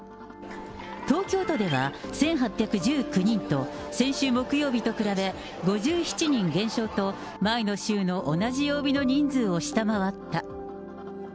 東京都では１８１９人と、先週木曜日と比べ、５７人減少と、前の週の同じ曜日の人数を下回った。